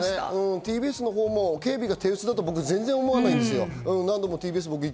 ＴＢＳ、警備が手薄だとは全然、僕は思わないんですよ。